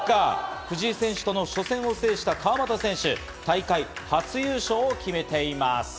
藤井選手との初戦を制した川又選手、大会初優勝を決めています。